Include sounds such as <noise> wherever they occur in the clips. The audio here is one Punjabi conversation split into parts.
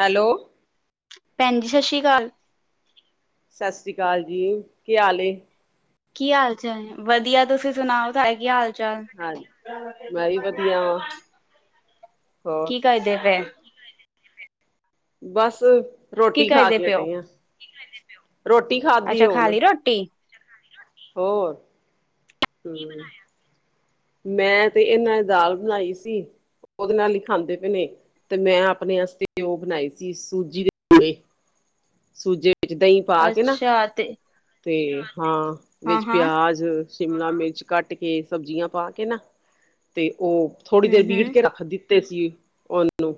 ਹੈਲੋ। ਭੈਨ ਜੀ, ਸ਼ਸੀ਼ਕਾਲ। ਸਸਰੀਕਾਲ ਜੀ, ਕੀ ਹਾਲ ਏ? ਕੀ ਹਾਲ ਚਾ, ਵਦੀਆ ਤੂਸੀ ਸੁਨਾਓ ਤਾਏ ਕੀ ਹਾਲ-ਚਾਲ? ਹਾਂਜੀ ਮੈਂ ਵੀ ਵਧੀਆ ਵਾਂ <unintelligible> ਹੋਰ ਕੀ ਕਰਦੇ ਪਏ? ਬਾੱਸ ਕੀ ਰੋਟੀ ਖਾ ਕਰਦੇ ਕੇ ਪਿਓ ਹਟੇ ਆਂ, <unintelligible> ਰੋਟੀ ਖਾੱਦੀ ਏ ਅੱਛਾ ਖਾ ਹੁਨ। ਲਈ ਰੋਟੀ ਹੋਰ। ਕੀ ਬਨਾਏਆ ਸੀ, ਮੈਂ ਤੇ, ਏਨਾਂ ਨੇ ਦਾਲ ਬਨਾਈ ਸੀ। ਓਦੇ ਨਾਲ ਈ ਖਾਂਦੇ ਪਏ ਨੇ, ਤੇ ਅਪਨੇ ਅਸਤੇ ਓ ਬਨਾਈ ਸੀ, ਸੂਜੀ ਦੇ ਸੂਜੀ ਏੱਚ ਦਹੀਂ ਪਾ ਕੇ ਨਾ, ਅੱਛਾ ਤੇ ਤੇ ਹਾਂ ਹਾਂ ਵਿੱਚ ਹਾਂ ਪੇਆਜ ਸ਼ਿਮਲਾ ਮਿਰਚ ਕਾੱਟ ਕੇ, ਸਬਜੀਆਂ ਪਾ ਕੇ ਨਾ, ਤੇ ਓ ਥੋੜੀ ਹਮ ਦੇਰ ਬੀਟ ਹਮ ਕੇ ਰਾੱਖ ਦਿੱਤ ਤੇ ਸੀ ਓਨਾਨੂੰ,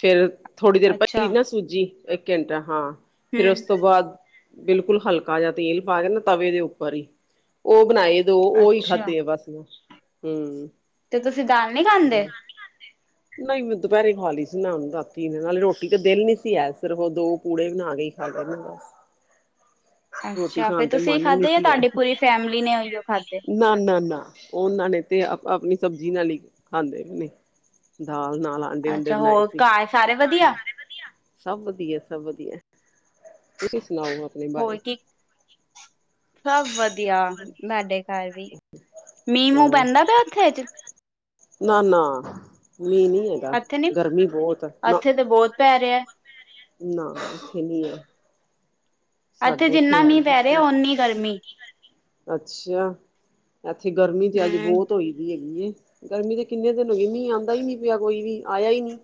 ਫੇਰ ਥੋੜੀ ਦੇਰ ਪਈ ਅੱਛਾ ਰੀ ਨਾ ਸੂਜੀ, ਏੱਕ ਘੰਟਾ, ਹਾਂ। ਫੇਰ ਹਮ ਉਸ ਤੋ ਬਾਦ, ਬਿਲਕੁਲ ਹਲਕਾ ਜਾ ਤੇਲ ਪਾ ਕੇ ਨਾ, ਤਵੇ ਦੇ ਉਪਰ ਈ ਓ ਬਨਾਏ ਦੋ, ਓਈ ਅੱਛਾ ਖਾੱਦੇ ਐ ਬਾੱਸ ਮੈਂ, ਹੂੰ। ਤੇ ਤੁਸੀਂ ਦਾਲ ਨੀ ਖਾਂਦੇ <inaudible> ਨਈ ਮੈਂ ਦੁਪੈਰੇ ਖਾ ਲੀ ਸੀ ਮੈਂ ਹੁਨ ਰਾਤੀ ਨੇ ਨਾਲੇ ਰੋਟੀ ਤੇ ਦਿਲ ਨੀ ਸੀ ਹੈ, ਸਿਰਫ ਓ ਦੋ ਪੂੜੇ ਬਨਾ ਏਈ ਖਾੱਦਾ ਜੀ ਬਾੱਸ। ਅੱਛਾ, ਫੇਰ ਤੂਸੀ ਮਨ ਨੀ ਖਾੱਦੇ ਯਾ ਸੀ ਹੈ ਤੂਆਡੀ ਪੂਰੀ ਫੈਮਿਲੀ ਨੇ ਔਈਓ ਖਾੱਦੇ? ਨਾ, ਨਾ, ਨਾ ਓ, ਓਨਾਂ ਨੇ ਤੇ ਅਪ, ਅਪਨੀ ਸਬਜੀ ਨਾਲ ਈ ਖਾਂਦੇ ਪੇ ਨੇ। ਦਾਲ ਨਾਲਾ ਅੱਛਾ, ਹੋਰ ਘਾੱਰ ਸਾਰੇ ਵਦੀਆ? ਸਬ ਵਦੀਐ-ਸਬ ਵਦੀਐ, ਤੂਸੀ ਸੁਨਾਓ ਅਪਨੇ ਬਾਰੇ? ਸਬ ਵਦੀਆ ਸਾਡੇ ਘਾਰ ਵੀ, ਮੀਂਹ-ਮੂੰਹ ਪੈਂਦੈ ਪੇਐ ਓਥੇ ਆੱਜ? ਨਾ-ਨਾ, ਮੀਂਹ ਨੀ ਹੈਗਾ, ਇੱਥੇ ਨੀ ਗਰਮੀ ਬੋਤ, ਨਾ। ਇੱਥੇ ਤੇ ਬਹੁਤ ਪੈ ਰੇਐ ਨਾ, ਇੱਥੇ ਨੀ ਐ। ਐਥੇ ਜਿੰਨਾ ਮੀਂਹ ਪੈ ਰੇਐ, ਹੀ ਓਨੀ ਗਰਮੀ। ਅੱਛਾ, ਐਥੇ ਗਰਮੀ ਤੇ ਆੱਜ ਹਮ ਬੋਤ ਹੋਈ ਵੀ ਹੈਗੀ ਏ। ਗਰਮੀ ਤੇ ਕਿੰਨੇ ਦਿਨ ਹੋਈ ਏ, ਮੀਂਹ ਆਂਦਾ ਈ ਨੀ ਪੇਆ ਕੋਈ ਵੀ, ਆਏਆ ਈ ਨੀ,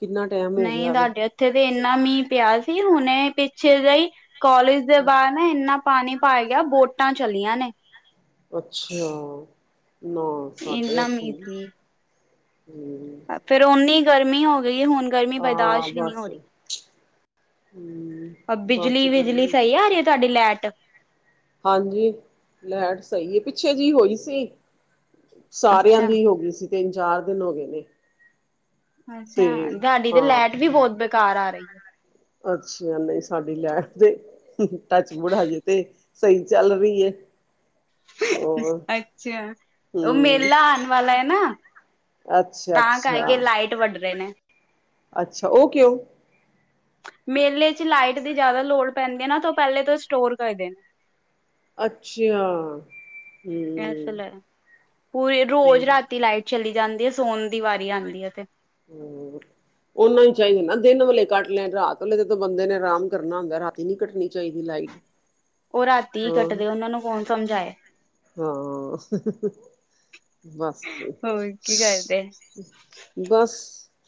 ਕਿੰਨਾ ਟਾਈਮ ਹੋ ਨਈ, ਗਿਆ ਵੇ ਸਾਡੇ ਉਥੇ ਤੇ ਇੰਨਾ ਮੀਂਹ ਪੇਆ ਸੀ, ਹੁਨੇ ਪਿੱਛੇ ਜੇਈ ਕੋਲੇਜ ਦੇ ਬਾਰ ਨਾ ਇੰਨਾ ਪਾਨੀ ਭਾਰ ਗੇਆ, ਬੋਟਾਂ ਚੱਲੀਆਂ ਨੇ। ਅੱਛਾ, ਨਾ ਸਾਡੇ ਇੰਨਾ ਐਥੇ ਮੀਂਹ ਨੀ, ਸੀ। ਹੂੰ। ਫੇਰ ਓਨੀ ਗਰਮੀ ਹੋ ਗਈ ਏ, ਹੁਨ ਗਰਮੀ ਹਾਂ ਬਰਦਾਸ਼ ਵੀ ਨੀ ਹੋ ਰੀ। ਹੂੰ। ਅ ਬਿਜਲੀ-ਬਿਜਲੀ ਸਈ ਆ ਰੀ ਏ ਤੂਆਡੀ ਲੈਟ? ਹਾਂਜੀ, ਲੈਟ ਸਈ ਏ, ਪਿੱਛੇ ਜੀ ਹੋਈ ਸੀ। ਸਾਰੇਆਂ ਅੱਛਾ ਦੀ ਹੋ ਗਈ ਸੀ, ਤਿੰਨ-ਚਾਰ ਦਿਨ ਹੋ ਗਏ ਨੇ। ਤੇ ਅੱਛਾ, ਸਾਡੀ ਤੇ ਹਾਂ ਲੈਟ ਵੀ ਬੋਤ ਬੇਕਾਰ ਆ ਰੀ ਏ। ਅੱਛਾ, ਨਈ ਸਾਡੀ ਲੈਟ ਦੇ ਟੱਚ ਵੂਡ, ਹਜੇ ਤੇ ਸਈ ਚੱਲ ਰੀ ਏ। ਅੱਛਾ, ਓ ਹਮ ਮੇਲਾ ਆਨ ਵਾਲਾ ਏ ਨਾ। ਅੱਛਾ ਤਾਂ ਅੱਛਾ ਕਾਰਕੇ ਲਾਈਟ ਵੱਡ ਰੇ ਨੇ। ਅੱਛਾ, ਓ ਕਿਉਂ? ਮੇਲੇ ਚ ਲਾਈਟ ਦੀ ਜਾਦਾ ਲੋੜ ਪੈਂਦੀ ਏ ਨਾ, ਤੇ ਓ ਪੈਲੇ ਤੇ ਸਟੋਰ ਕਰਦੇ ਨੇ। ਅੱਛਿਆ, ਹੂੰ ਹੋ ਰੋਜ਼ ਰਾਤੀ ਲਾਈਟ ਚਲੀ ਜਾਂਦੀ ਐ ਸੋਣ ਦੀ ਵਾਰੀ ਆਦੀ ਐ ਤੇ ਹੋਰ ਉਹਨਾ ਈ ਚਾਹੀਦਾ ਨਾ ਦਿਨ ਵੇ ਕੱਟ ਲੈਣ ਰਾਤ ਵਲੇ ਜੋਂ ਬੰਦੇ ਨੇ ਆਰਾਮ ਕਰਨਾ ਹੁੰਦਾ ਰਾਤੀ ਨੀ ਕੱਟਣੀ ਚਾਈਦੀ ਲਾਈਟ। ਉਹ ਰਾਤੀ ਈ ਹਾਂ ਕੱਟਦੇ ਉਹਨਾਂ ਨੂੰ ਕੌਣ ਸਮਝ ਆਏ। ਹਾਂ, ਬਸ ਹੋਰ ਕੀ ਕਰਦੇ ਬਸ,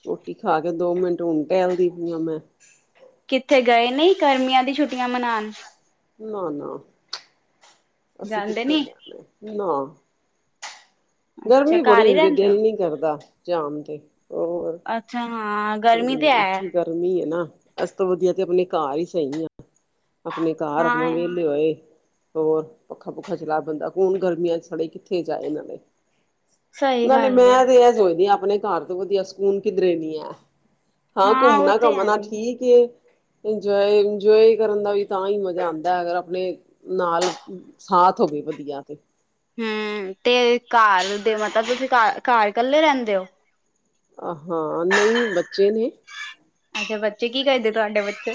ਰੋਟੀ ਖਾ ਕੇ ਦੋ ਮਿੰਟ ਹੁਣ ਢਹਿਲਦੀ ਪਈ ਆ ਮੈਂ। ਕਿੱਥੇ ਗਏ ਨੀ ਗਮੀਆਂ ਦੀ ਛੁੱਟੀਆਂ ਮਨਾਣ। ਨਾ ਨਾ, ਅਸੀਂ ਜਾਂਦੇ ਕਿੱਥੇ ਨੀ ਜਾਣਾ ਨਾ। ਅੱਛਾ ਗਰਮੀ ਘਰ ਬੜੀ ਹੀ ਹੁੰਦੀ ਰਹਿੰਦੇ ਹੋ ਦਿਲ ਨੀ ਕਰਦਾ ਜਾਣ ਤੇ ਹੋਰ ਅੱਛਾ ਹਾਂ ਹੂੰ ਗਰਮੀ ਤੇ ਹੈ ਗਰਮੀ ਐ, ਨਾ ਅ ਤੇ ਆਪਣੇ ਘਰ ਈ ਸਹੀ ਆ। ਆਪਣੇ ਘਰ ਆਪਣਾ ਹਾਂ ਵੇਹਲੇ ਹੋਏ ਹੋਰ ਪੱਖਾ ਪੁੱਖਾ ਚਲਾ ਬੰਦਾ ਕੌਣ ਗਰਮੀਆਂ ਚ ਸੜੇ ਕਿੱਥੇ ਜਾਏ ਨਾਲੇ। ਸਹੀ ਨਾਲੇ ਗੱਲ ਏ ਮੈਂ ਤੇ ਇਹ ਸੋਚਦੀ ਆ ਆਪਣੇ ਘਰ ਤੋਂ ਵਧੀਆ ਸਕੂਨ ਕਿਧਰੇ ਨੀ ਹੈ। ਹਾਂ, ਉਹ ਤੇ ਹੈ ਘੁੰਮਣਾ-ਘੰਮਣਾ ਨੀ ਠੀਕ ਐ ਇੰਜਏ-ਇੰਜਏ ਕਰਨ ਦਾ ਵੀ ਤਾਂਹੀ ਮਜ਼ਾ ਆਦਾ ਐ ਅਗਰ ਆਪਣੇ ਨਾਲ, ਸਾਥ ਹੋਵੇ ਵਧੀਆ ਤੇ। ਹੂੰ ਤੇ ਘਰ ਦੇ ਮਤਲਬ ਤੁਸੀਂ ਘਰ ਇਕੱਲੇ ਰਹਿੰਦੇ ਔ? ਆ ਹਾਂ ਨਈ ਬੱਚੇ ਨੇ। ਅੱਛਾ ਬੱਚੇ ਕੀ ਕਰਦੇ ਤੁਹਾਡੇ ਬੱਚੇ?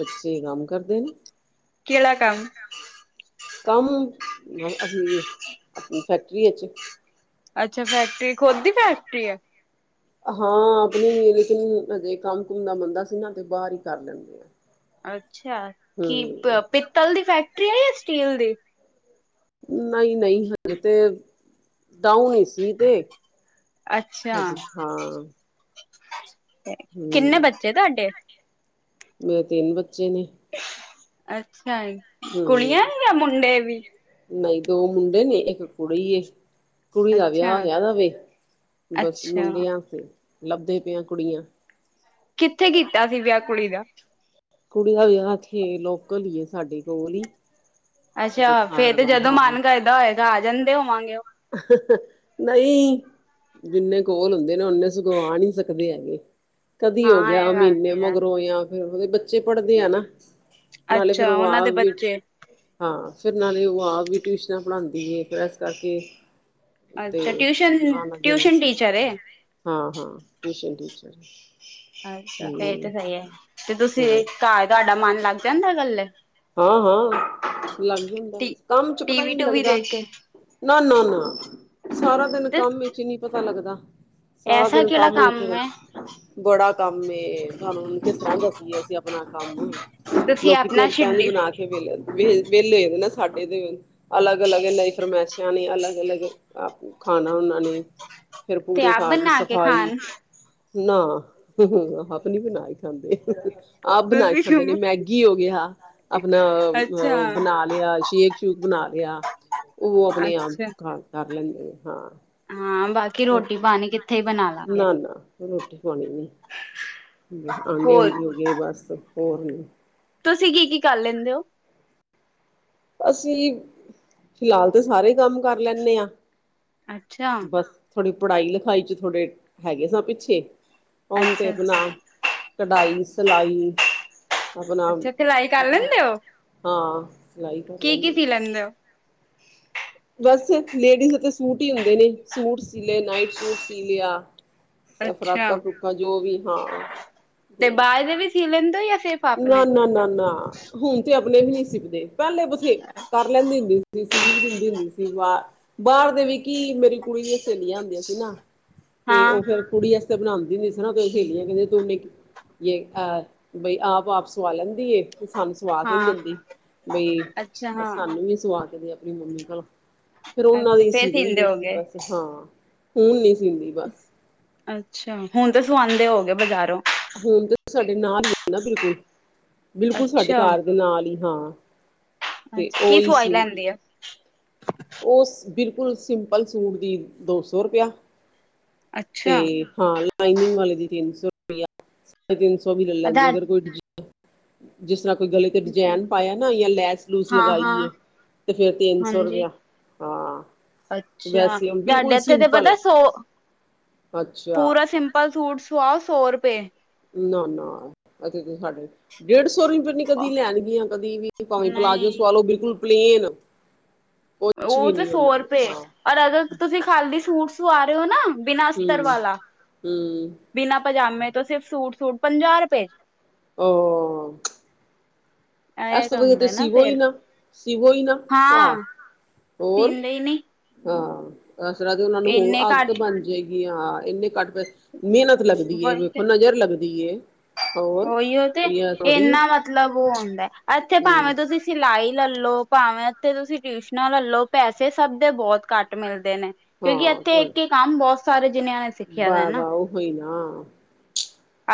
ਬੱਚੇ ਕੰਮ ਕਰਦੇ ਨੇ। ਕਿਹੜਾ ਕੰਮ ਕੰਮ ਅਸੀਂ, ਫੈਕਟਰੀ ਚ ਅੱਛਾ ਫੈਕਟਰੀ ਖੁਦ ਦੀ ਫੈਕਟਰੀ ਐ। ਹਾਂ ਆਪਣੀ ਮੇਰੇ ਦਿਨ ਹਜੇ ਕੰਮ ਕੁਮ ਦਾ ਬੰਦਾ ਸੀ ਨਾ ਤੇ ਬਾਰ ਈ ਕਰ ਲੈਂਦੇ ਆ। ਅੱਛਾ ਕੀ, ਹੂੰ ਪਿੱਤਲ ਦੀ ਫੈਕਟਰੀ ਐ ਜਾਂ ਸਟੀਲ ਦੀ? ਨਈ-ਨਈ ਹੈਗੇ ਤੇ, ਡਾਊਨ ਈ ਸੀ। ਤੇ ਅੱਛਾ, ਹਾਂਜੀ ਹਾਂ ਕਿੰਨੇ ਹੂੰ, ਬੱਚੇ ਤੁਹਾਡੇ? ਮੇਰੇ ਤਿੰਨ ਬੱਚੇ ਨੇ, ਅੱਛਾ ਜੀ। ਹੂੰ, ਕੁੜੀਆਂ ਜਾਂ ਮੁੰਡੇ ਵੀ? ਨਈ ਦੋ ਮੁੰਡੇ ਨੇ ਇੱਕ ਕੁੜੀ ਏ। ਕੁੜੀ ਦਾ ਅੱਛਾ। ਵਿਆਹ ਹੋਇਆ ਵਾਂ ਏ, ਬਸ ਅੱਛਾ ਮੁੰਡਿਆਂ ਲੱਭਦੇ ਪਏ ਆਂ ਕੁੜੀਆਂ ਕਿੱਥੇ ਕੀਤਾ ਸੀ ਵਿਆਹ ਕੁੜੀ ਦਾ? ਕੁੜੀ ਦਾ ਵੀ ਜਿਹੜਾ ਇੱਥੇ ਲੋਕਲ ਈ ਐ ਸਾਡੇ ਕੋਲ ਈ। ਅੱਛਾ ਫੇਰ ਤੇ ਖਾਰਵਨ ਜਦੋਂ ਹਾਂ। ਮਨ ਕਰਦਾ ਹੋਏਗਾ ਆ ਜਾਂਦੇ ਹੋਵਾਂਗੇ ਉਹ ਨਈ, ਜਿੰਨੇ ਕੋਲ ਹੁੰਦੇ ਨਾ ਓਨੇ ਸਗੋਂ ਆ ਨੀ ਸਕਦੇ ਹੈਗੇ। ਕਦੀ ਹੋ ਹਾਂ ਗਿਆ ਇਹ ਗੱਲ ਮਹੀਨੇ ਤੇ ਹੈ ਮਗਰੋਂ ਜਾਂ ਫੇਰ ਉਹਦੇ ਬੇ ਬੱਚੇ ਪੜ੍ਹਦੇ ਆ ਨਾ, ਨਾਲੇ ਫੇਰ ਅੱਛਾ ਉਹ ਉਹਨਾਂ ਆ ਦੇ ਵੀ ਬੱਚੇ ਹਾਂ ਨਾਲੇ ਉਹ ਆਪ ਟਿਊਸ਼ਨਾਂ ਪੜ੍ਹਾਉਂਦੀ ਐ ਫਿਰ ਇਸ ਕਰਕੇ। ਤੇ ਅੱਛਾ ਟਿਊਸ਼ਨ-ਟਿਊਸ਼ਨ ਟੀਚਰ ਐ। ਹਾਂ-ਹਾਂ ਟਿਊਸ਼ਨ ਟੀਚਰ ਐ। ਅੱਛਾ ਫੇਰ ਤੇ ਸਹੀ ਐ, ਤੇ ਤੁਸੀਂ ਹਮ ਤੁਹਾਡਾ ਮਨ ਲੱਗ ਜਾਂਦਾ ਕੱਲੇ? ਹਾਂ, ਹਾਂ ਲੱਗ ਜਾਂਦਾ ਟੀ ਕੰਮ ਚ ਪਤਾ ਈ ਟੀਵੀ ਨੀ ਟੂਵੀ ਲੱਗਦਾ। ਦੇਖ ਕੇ? ਨਾ-ਨਾ-ਨਾ ਸਾਰਾ ਦਿਨ ਕੰਮ ਵਿਚ ਈ ਨੀ ਪਤਾ ਲੱਗਦਾ। ਸਾਰਾ ਐਸਾ ਦਿਨ ਕਿਹੜਾ ਕੰਮ ਈ ਫੇਰ ਹੈ ਬੜਾ ਕੰਮ ਏ ਤੁਹਾਨੂੰ ਕਿਸ ਤਰ੍ਹਾਂ ਦੱਸੀਏ ਅਸੀਂ ਆਪਣਾ ਕੰਮ ਤੁਸੀਂ ਲੋਕੀ ਤੇ ਆਪਣਾ ਇੱਕ ਸ਼ਿਡ ਟਹਿਨੀ ਬਣਾ ਕੇ ਵੇਲੇ ਵੇਹਲੇ ਹੋਗੇ ਨਾ ਸਾਡੇ ਦੇ ਅਲੱਗ-ਅਲੱਗ ਇਹ ਫਰਮੈਸ਼ਾਂ ਨੀ ਅਲੱਗ ਅਲੱਗ ਆਪ ਖਾਣਾ ਉਹਨਾਂ ਨੇ, ਫਿਰ ਤੇ ਪੂਰੇ ਆਪ ਘਰ ਦੀ ਬਣਾ ਕੇ ਸਫ਼ਾਈ ਖਾਣ ਨਾ, ਆਪ ਨੀ ਬਣਾਈ ਖਾਂਦੇ। ਆਪ ਨੇ ਬਣਾ ਕੇ ਖਾਂਦੇ ਮੈਗੀ ਹੋ ਗਈ ਹਾ। ਆਪਣਾ ਅੱਛਾ, ਬਣਾ ਲਿਆ ਸ਼ੇਕ-ਸ਼ੂਕ ਬਣਾ ਲਿਆ ਉਹ ਆਪਣੇ ਆਪ ਅੱਛਾ। ਹਾਂ ਕਰ ਲੈਂਦੇ ਆ ਹਾਂ। ਹਾਂ ਬਾਕੀ ਰੋਟੀ ਪਾਣੀ ਕਿੱਥੇ ਬਣਾਵੇ ਨਾ-ਨਾ ਰੋਟੀ ਖਵਾਣੀ ਨੀ, ਹੋਰ ਅੰਡੇ-ਓਡੇ ਹੋਗੇ ਬਸ ਹੋਰ ਨੀ ਤੁਸੀਂ ਕੀ-ਕੀ ਕਰ ਲੈਂਦੇ ਔ? ਅਸੀਂ, ਫਿਲਹਾਲ ਤੇ ਸਾਰੇ ਕੰਮ ਕਰ ਲੈਂਨੇ ਆ ਅੱਛਾ। ਬਸ ਥੋੜ੍ਹੀ ਪੜ੍ਹਾਈ-ਲਿਖਾਈ ਚ ਥੋੜੇ ਹੈਗੇ ਹਾ ਪਿੱਛੇ, ਹੁਣ ਤੇ ਅੱਛਾ, ਆਪਣਾ ਅੱਛਾ, ਕਢਾਈ, ਸਿਲਾਈ, ਆਪਣਾ ਅੱਛਾ ਸਿਲਾਈ ਕਰ ਲੈਂਦੇ ਹੋ? ਹਾਂ। ਸਿਲਾਈ ਕਰ ਕੀ ਕੀ ਲੈਂਦੇ। ਸੀ <inaudible> ਬਸ ਲੇਡੀਜ਼ ਸੂਟ ਈ ਹੁੰਦੇ ਨੇ ਸੂਟ ਸੀ ਲਿਆ ਨਾਈਟ ਸੂਟ ਸੀ ਲਿਆ। ਆ ਅੱਛਾ, ਫਰਾਕਾਂ-ਫਰੂਕਾਂ ਜੋ ਵੀ ਹਾਂ। ਤੇ ਬਾਹਰ ਦੇ ਵੀ ਸੀ ਲੇਦਾ ਜਾ ਫੇਰ ਨਾਂ-ਨਾਂ-ਨਾਂ-ਨਾਂ ਹੁਣ ਤੇ ਆਪਣੇ ਵੀ ਨੀ ਸਿਲਦੇ। ਪਹਿਲੇ ਬਥੇਰੇ ਕਰ ਲੈਂਦੀ ਹੁੰਦੀ ਸੀ, ਸੀ ਵੀ ਦਿੰਦੀ ਹੁੰਦੀ ਸੀ ਵਾਹ ਬਾਰ ਦੇ ਵੀ ਕੀ ਮੇਰੀ ਕੁੜੀ ਦੀ ਸਹੇਲੀਆਂ ਹੁੰਦੀਆਂ ਸੀ ਨਾ ਤੇ ਹਾਂ। ਉਹ ਫਿਰ ਕੁੜੀ ਆਸਤੇ ਬਣਾਦੀ ਹੁੰਦੀ ਸੀ ਨਾਂ ਤੇ ਸਹੇਲੀਆਂ ਕਹਿੰਦੀਆਂ, <unintelligible> ਜੇ ਆਪ ਬਈ ਆਪ ਆਪਸ ਸਵਾ ਲੈਂਦੀ ਏ ਤੇ ਸਾਨੂੰ ਸਵਾ ਕੇ ਨੀ ਹਾਂ, ਦਿੰਦੀ ਬਈ ਅੱਛਾ ਹਾਂ, ਸਾਨੂੰ ਵੀ ਸਵਾ ਕੇ ਦੇ। ਵੀ ਮੰਮੀ ਕੋਲ, ਫਿਰ ਉਹਨਾਂ ਅੱਛਾ ਦੇ ਫੇਰ ਸੀ ਦੇ ਦਿੰਦੇ ਸੀਂਦੇ ਸੀ ਹੋਗੇ। ਬਸ। ਹਾਂ ਹੁਣ ਨੀਂ ਸੀਂਦੀ ਪਰ। ਅੱਛਾ ਹੁਣ ਤਾਂ ਸਵਾਂਦੇ ਹੋ ਗਏ ਬਜ਼ਾਰੋਂ। ਹੁਣ ਤੇ ਸਾਡੇ ਨਾਲ ਈ ਆ ਨਾਂ ਬਿਲਕੁਲ-ਬਿਲਕੁਲ ਸਾਡੇ ਅੱਛਾ, ਘਰ। ਨਾਲ ਈ ਹਾਂ, ਤੇ ਅੱਛਾ ਕੀ ਔਈ ਸਵਾਈ ਸੀ। ਲੈਂਦੀ ਹੈ? ਉਹ ਬਿਲਕੁਲ ਸਿੰਪਲ ਸੂਟ ਦੀ ਦੋ ਸੌ ਰੁਪਇਆ। ਤੇ ਅੱਛਾ। ਹਾਂ ਲਾਈਨਿੰਗ ਵਾਲੇ ਦੀ ਤਿੰਨ-ਸੌ ਰੁਪਇਆ। ਸਾਢੇ ਤਿੰਨ ਸੌ ਵੀ ਲੈ ਲੈਂਦੀ ਆਧਾਰ ਅਗਰ ਕੋਈ ਡਜ ਜਿਸ ਤਰ੍ਹਾਂ ਕੋਈ ਗਲੇ ਤੇ ਡਿਜਾਇਨ ਪਾਇਆ ਨਾਂ ਜਾਂ ਲੈਸ-ਲੂਸ ਹਾਂ, ਲਗਾਈ ਐ। ਹਾਂ, ਤੇ ਫਿਰ ਤਿੰਨ ਸੌ ਹਾਂਜੀ। ਰੁਪਇਆ, ਹਾਂ। ਅੱਛਾ ਵੈਸੇ ਸਾਡੇ ਬਿਲਕੁਲ ਉੱਥੇ ਤੇ ਸਿੰਪਲ ਪਤਾ ਸੋ, ਅੱਛਾ ਪੂਰਾ ਸਿੰ ਪਰ ਸੂਟ ਸਵਾਉ ਸੌ ਰੁਪਏ। ਨਾਂ-ਨਾਂ, ਇਥੇ ਸਾਡੇ ਡੇਢ ਸੌ ਰੁਪਏ ਨ ਕਦੀ ਲੈਣਗੀਆਂ ਕਦੀ ਵੀ ਭਾਵੇਂ ਪਲਾਜੋ ਨਹੀਂ ਸਵਾਲੋ ਬਿਲਕੁਲ ਪਲੇਨ। ਕੁਛ ਉਹ ਵੀ ਤੇ ਨੀ ਸੌ ਉਹਨਾਂ ਨੇ ਰੁਪਏ, ਹਾਂ ਔਰ ਅਗਰ ਤੁਸੀਂ ਖਾਲੀ ਸੂਟ ਸਵਾ ਰੇ ਔ ਨਾਂ ਬਿਨਾਂ ਅਸਤਰ ਹੂੰ ਵਾਲਾ, ਬਿਨਾਂ ਪਜਾਮੇ ਤੋਂ ਸਿਰਫ ਸੂਟ-ਸੂਟ ਪੰਜਾਹ ਰੁਪਏ। <inaudible> ਇਸ ਇਹ ਤੋਂ ਤਾਂ ਵਧੀਆ ਤੇ ਹੁੰਦਾ ਨਾ ਸਿਵੋ ਈ ਫੇਰ ਨਾਂ, ਸਿਵੋ ਈ ਨਾਂ ਆਹ ਹਾਂ ਹੋਰ। ਸੀਂਦੇ ਹੀ ਨੀ ਹਾਂ, ਇਸ ਤਰ੍ਹਾਂ ਦੀ ਉਹਨਾਂ ਨੂੰ ਹੋਰ ਇੰਨੇ ਆਦਤ ਘੱਟ ਬਣ ਜਾਏਗੀ ਹਾਂ ਇੰਨੇ ਘੱਟ ਪੈਸੇ ਮੇਹਨਤ ਲੱਗਦੀ ਏ ਵਹੀ ਤੇ ਵੇਖੋ ਨਜ਼ਰ ਲੱਗਦੀ ਏ। ਹੋਰ ਉਹੀਓ ਤੇ ਕੋਈ ਐ ਥੋੜੀ ਇੰਨਾਂ ਮਤਲਬ ਉਹ ਹੁੰਦਾ, ਇੱਥੇ ਹੂੰ ਭਾਵੇਂ ਤੁਸੀਂ ਸਿਲਾਈ ਲੈਲੋ ਭਾਵੇਂ ਉੱਥੇ ਤੁਸੀਂ ਟਿਊਸ਼ਨਾਂ ਲੈਲੋ ਪੈਸੇ ਸਭ ਦੇ ਬਹੁਤ ਘੱਟ ਮਿਲਦੇ ਨੇ। ਕਿਉਂਕਿ ਇੱਥੇ ਹਾਂ ਇੱਕ ਕੰਮ ਬਹੁਤ ਸਾਰੇ ਜਿੰਨਿਆਂ ਨੇ ਸਿੱਖਿਆ ਦੇ ਨਾ। ਕੋਈ ਨਾਂ।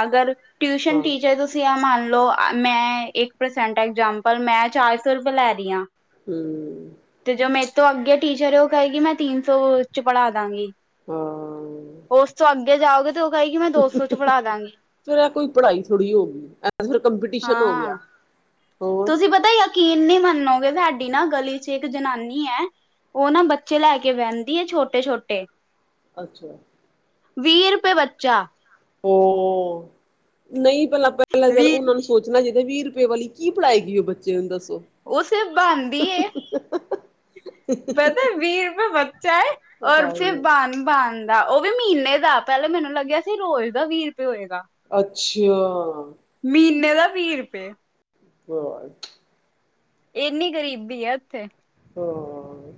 ਅਗਰ <inaudible> ਟਿਊਸ਼ਨ ਟੀਚਰਜ਼ ਤੁਸੀਂ ਆ ਮੰਨ ਲਓ, ਮੈਂ ਇੱਕ ਪਰਸੈਂਟ ਐਗਜਾਮਪਲ ਮੈਂ ਚਾਰ ਸੌ ਰੁਪਏ ਲੈ ਰਹੀ ਹਾਂ। ਹਮ। ਤੇ ਜੋ ਮੇਰੇ ਤੋਂ ਅੱਗੇ ਟੀਚਰ ਹੈ, ਉਹ ਕਰੇਗੀ ਮੈਂ ਤਿੰਨ ਸੌ 'ਚ ਪੜ੍ਹਾ ਦਾਂਗੀ। ਹੂੰ। ਉਸ ਤੋਂ ਅੱਗੇ ਜਾਓਗੇ, ਤੇ ਉਹ ਕਹੇਗੀ ਮੈਂ ਦੋ ਸੋ 'ਚ ਪੜਾ ਫੇਰ ਇਹ ਕੋਈ ਪੜ੍ਹਾਈ ਥੋੜ੍ਹੀ ਹੋ ਗਈ, ਐ ਫੇਰ ਕੰਪੀਟੀਸ਼ਨ ਹੋ ਹਾਂ ਗਿਆ। ਹੋਰ ਤੁਸੀਂ ਪਤਾ ਯਕੀਨ ਨਹੀਂ ਮੰਨੋਗੇ, ਸਾਡੀ ਨਾਂ ਗਲੀ 'ਚ ਇੱਕ ਜਨਾਨੀ ਹੈ ਉਹ ਨਾਂ ਬੱਚੇ ਲੈ ਕੇ ਵਹਿੰਦੀ ਆ ਛੋਟੇ- ਛੋਟੇ ਅੱਛਾ। ਵੀਹ ਰੁਪਏ ਬੱਚਾ। ਹੂੰ <inaudible> ਨਹੀਂ ਪਹਿਲਾ- ਪਹਿਲਾਂ ਵੀਹ ਉਹਨਾਂ ਨੂੰ ਸੋਚਣਾ ਚਾਹੀਦਾ, ਵੀਹ ਰੁਪਏ ਵਾਲੀ ਕੀ ਪੜਾਏ ਗਈ ਉਹ ਬੱਚੇ ਨੂੰ ਦੱਸੋ? ਉਹ ਸਿਰਫ ਬਾਣ ਦੀ ਏ ਪਤਾ ਵੀਹ ਰੁਪਏ ਬੱਚਾ ਹੈ, ਔਰ ਫੇਰ ਹਾਏ ਬਨ- ਬਨ ਉਹ ਵੀ ਮਹੀਨੇ ਦਾ, ਪਹਿਲਾਂ ਮੈਨੂੰ ਲੱਗਿਆ ਸੀ ਰੋਜ਼ ਦਾ ਵੀਹ ਰੁਪਏ ਹੋਏਗਾ। ਅੱਛਾ। ਮਹੀਨੇ ਦਾ ਵੀਹ ਰੁਪਏ <unintelligible> ਇੰਨੀ ਗਰੀਬੀ ਆ ਇੱਥੇ ਹੋਰ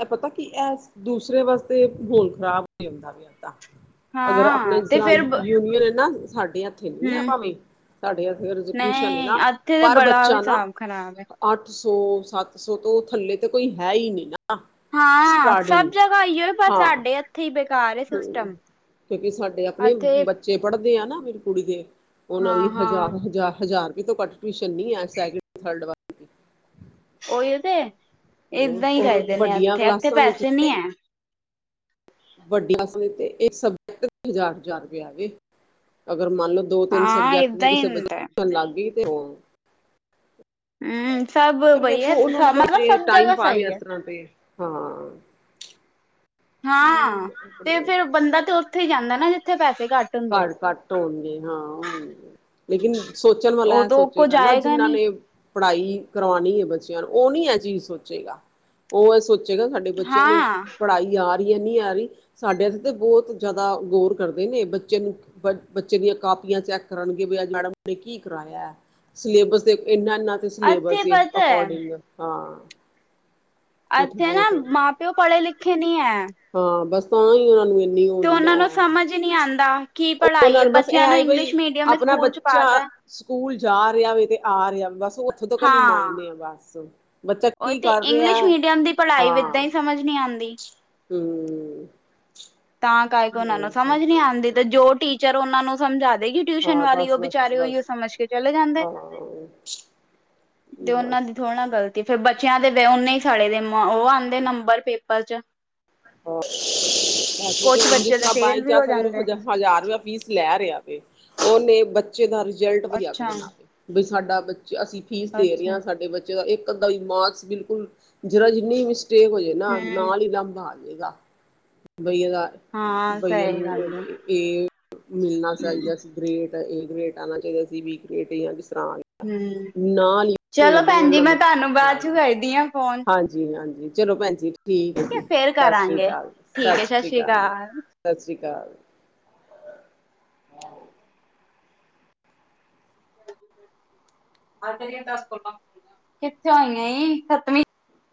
ਇਹ ਪਤਾ ਕੀ ਇਹ ਦੂਸਰੇ ਵਾਸਤੇ ਮਾਹੌਲ ਖ਼ਰਾਬ ਹੋ ਜਾਂਦਾ। <unintelligible> ਅਗਰ ਆਪਣੇ ਹਾਂ ਜਿਸ ਤੇ ਤਰ੍ਹਾਂ ਫਿਰ ਯੂਨੀਅਨ ਹੈ ਨਾ ਸਾਡੀ ਕਿੰਨੀਆਂ ਹੂੰ ਭਾਵੇ, ਸਾਡੇ ਇਧਰ ਟਿਯੁਸ਼ਨ ਨਹੀਂ ਨਾ ਇੱਥੇ ਤੇ ਪਰ ਬੜਾ ਬੱਚਾ ਨਾ ਹਿਸਾਬ ਖ਼ਰਾਬ ਹੈ ਅੱਠ ਸੌ, ਸੱਤ ਸੌ ਤੋਂ ਉਹ ਥੱਲੇ ਤਾਂ ਕੋਈ ਹੈ ਹੀ ਨਹੀਂ ਨਾ ਨਾ ਹਾਂ ਸਭ ਸਟਾਰਟਿੰਗ ਜਗ੍ਹਾ ਇਓ ਬਸ ਹਾਂ। ਸਾਡੇ ਇੱਥੇ ਹੀ ਬੇਕਾਰ ਹੂੰ ਸਿਸਟਮ ਕਿਉਂਕਿ ਸਾਡੇ ਆਪਣੇ ਇੱਥੇ ਬੱਚੇ ਪੜ੍ਹਦੇ ਆ, ਨਾ ਮੇਰੀ ਕੁੜੀ ਦੇ ਉਹਨਾਂ ਦੀ ਹਾਂ-ਹਾਂ ਹਜਾ਼ਰ, ਹਜ਼ਾਰ ਹਜਾਰ ਰੁਪਏ ਤੋਂ ਘੱਟ ਟਿਊਸ਼ਨ ਨਹੀਂ ਹੈ, ਸੈਕਿੰਡ ਤੇ ਥਰਡ ਵਾਲੀ ਓਹੀਓ ਤੇ, ਏਦਾਂ ਹੀ ਔਰ ਕਰਦੇ ਨੇ ਆ ਵੱਡੀਆਂ ਉੱਥੇ ਇੱਥੇ ਕਲਾਸਾਂ ਪੈਸੇ ਨੀ ਹੈ। ਵੱਡਆ ਤੇ ਇੱਕ ਸਬਜੈਕਟ ਹਜ਼ਾਰ, ਹਜਾਰ ਰੁਪਆ ਵੇ, ਅਗਰ ਮੰਨ ਲਓ ਦੋ ਤਿੰਨ ਹਾਂ ਸਬਜੈਕਟ ਨੇ ਏਦਾਂ ਹੀ ਕਿਸੇ ਹੁੰਦਾ <unintelligible> ਲੱਗ ਗਈ ਤੇ ਔਹ ਹਮ ਸਭ <inaudible> ਫੇਰ ਬਈ ਵੇਖੋ ਹੈ ਉਹਨਾਂ ਨੇ ਮਤਲਬ ਪੜ੍ਹਾਤੇ ਸਭ ਟਾਈਮ ਜਗ੍ਹਾ ਪਾਸ ਸਹੀ ਇਸ ਹੈ ਤਰ੍ਹਾਂ ਪਏ ਹਾਂ। ਹਾਂ, ਤੇ ਆਪਣੇ ਫੇਰ ਬੰਦਾ ਤੇ ਉੱਥੇ ਹੀ ਜਾਂਦਾ ਨਾ ਜਿੱਥੇ ਪੈਸੇ ਘੱਟ ਹੁੰਦੇ <unintelligible> ਘੱਟ ਹੋਣਗੇ ਹਾਂ। ਲੇਕਿਨ ਸੋਚਣ ਉਹ ਵਾਲਾ ਇਹ ਤਾਂ ਕੋ ਸੋਚੇਗਾ ਨਾ, ਜਾਏਗਾ ਜਿਨਾਂ ਨੀ ਨੇ ਪੜ੍ਹਾਈ ਕਰਵਾਉਣੀ ਹੈ ਬੱਚਿਆਂ ਨੂੰ, ਉਹ ਨੀ ਇਹ ਚੀਜ਼ ਸੋਚੇਗਾ ਉਹ ਇਹ ਸੋਚ ਜੇਕਰ ਸਾਡੇ ਬੱਚਿਆਂ ਨੂੰ ਹਾਂ ਪੜ੍ਹਾਈ ਯਾਦ ਨਹੀਂ ਆ ਰਹੀ, ਸਾਡੇ ਇੱਥੇ ਤੇ ਬਹੁਤ ਜ਼ਿਆਦਾ ਗੌਰ ਕਰਦੇ ਨੇ ਬੱਚਿਆਂ ਬੱਚੇ ਨੂੰ ਬੱਚੇ ਦੀਆਂ ਕਾਪੀਆਂ ਚੈੱਕ ਕਰਨਗੇ, ਵੀ ਅੱਜ ਮੈਡਮ ਨੇ ਕੀ ਕਰਾਇਆ। ਸਿਲੇਬਸ ਦੇ ਇਨਾ ਇਹਨਾਂ ਦੇ ਸਿਲੇਬਸ ਇੱਥੇ ਦੇ ਪਤਾ ਹੈ ਅਕੋਰਡਿੰਗ ਹਾਂ। ਇੱਥੇ ਨਾ ਮਾਂ ਪਿਓ ਪੜ੍ਹੇ ਲਿਖੇ ਨੀ ਹੈ। ਹਾਂ ਬਸ ਤਾਂ ਹੀ ਉਹਨਾਂ ਨੂੰ ਇੰਨੀ ਉਹ ਤੇ ਨੀ ਉਹਨਾਂ ਨਾ ਨੂੰ ਹੈ ਸਮਝ ਹੀ ਨਹੀਂ ਆਂਦਾ ਕੀ ਉਹ ਪੜ੍ਹਾਈ ਹੈ, ਨਾਲ ਬਸ ਇਹ ਬੱਚਿਆਂ ਨੂੰ ਆਏ ਇੰਗਲਿਸ਼ ਬਈ ਮੀਡੀਅਮ ਆਪਣਾ ਸਕੂਲ ਚ ਪਾ ਬੱਚਾ ਤੈ। ਸਕੂਲ ਜਾ ਰਿਹਾ ਵੀ ਤੇ ਆ ਰਿਹਾ, ਬਸ ਉਹ ਉੱਥੋਂ ਤੱਕ ਨੀ ਹਾਂ ਮੰਨਨੇਦ ਆ, ਬਸ ਬੱਚਾ ਉਹੀ ਕੀ ਤੇ ਕਰ ਰਿਹਾ ਇੰਗਲਿਸ਼ ਮੀਡੀਅਮ ਦੀ ਪੜ੍ਹਾਈ ਵੀ ਏਦਾਂ ਹੀ ਸਮਝ ਨਹੀਂ ਆਂਦੀ। ਹੂੰ। ਤਾਂ ਕਰ ਕੇ ਉਹਨਾਂ ਨੂੰ ਸਮਝ ਨੀ ਆਂਦੀ, ਤੇ ਜੋ ਟੀਚਰ ਉਹਨਾਂ ਨੂੰ ਸਮਝਾ ਰਹਿਗੀ ਟਿਊਸ਼ਨ ਹਾਂ ਵਾਲੀ ਉਹ ਬਸ ਬਸ ਬੇਚਾਰੇ ਓਹੀਓ ਬਸ ਸਮਝ ਕੇ ਚਲੇ ਜਾਂਦੇ। ਹਾਂ ਤੇ ਉਹਨਾਂ ਦੀ ਥੋੜ੍ਹਾ ਨਾ ਬਸ ਗ਼ਲਤੀ, ਫਿਰ ਬੱਚਿਆਂ ਦੇ ਉਹਨੇ ਹੀ ਸੜੇ ਦੇ ਉਹ ਆਉਂਦੇ ਨੰਬਰ ਪੇਪਰ ਚ। <unintelligible> ਕੁਛ ਬੱਚੇ ਤਾਂ ਫੇਲ ਵੀ ਹੋ ਹਜ਼ਾਰ ਜਾਂਦੇ ਰੁਪੀਆ ਫੀਸ ਲੈ ਰਿਹਾ, ਉਹਨੇ ਬੱਚੇ ਦਾ ਰਿਜਲਟ ਵਧੀਆ ਅੱਛਾ ਕੱਢਣਾ। ਬਈ ਸਾਡਾ ਬੱਚੇ ਅਸੀਂ ਫੀਸ ਦੇ ਰਹੇ ਅੱਛਾ ਹਾਂ, ਸਾਡੇ ਬੱਚੇ ਇੱਕ ਅੱਧਾ ਮਾਰਕਸ, ਬਿਲਕੁਲ ਜਰਾ ਜਿੰਨੀ ਮਿਸਟੇਕ ਹੋ ਜੇ ਨਾ, ਹਮ ਨਾਲ ਹੀ ਲਾਂਬਾ। ਬਾ ਬਈ ਏਹਦਾ ਹਾਂ ਬਈ ਇਹਨੂੰ ਸਹੀ ਨੂੰ ਗੱਲ ਹੈ ਇਹ ਮਿਲਣਾ ਚਾਹੀਦਾ ਸੀ। ਗ੍ਰੇਟ ਏ ਗ੍ਰੇਟ ਆਉਣਾ ਚਾਹੀਦਾ ਸੀ, ਬੀ ਗ੍ਰੇਟ ਜਾਂ ਵੀ ਇਸ ਤਰ੍ਹਾਂ ਹਮ ਨਾਲ ਹੀ ਇਸ ਚਲੋ ਵੇਲੇ ਭੈਣ ਜੀ ਉਹਨਾਂ ਮੈਂ ਨੂੰ, ਤੁਹਾਨੂੰ ਬਾਅਦ ਚ ਕਰਦੀ ਹਾਂ ਫੋਨ ਹਾਂਜੀ। ਜੀ ਹਾਂਜੀ, ਚਲੋ ਭੈਣ ਜੀ ਠੀਕ ਹੈ ਜੀ, ਫੇਰ ਸਤਿ ਸ੍ਰੀ ਕਰਾਂਗੇ ਅਕਾਲ -ਸਤਿ ਠੀਕ ਹੈ ਸ਼੍ਰੀ ਸ੍ਰੀ ਅਕਾਲ ਜੀ। ਸਤਿ ਸ੍ਰੀ ਅਕਾਲ। ਆ ਜਾਣਗੀਆਂ ਦਸ ਪੰਦਰਾਂ, ਕਿੱਥੇ ਹੋਈਆਂ ਖਤਮ ਈ।